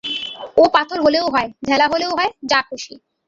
ও পাথর হলেও হয়, ঢেলা হলেও হয়, যা খুশি।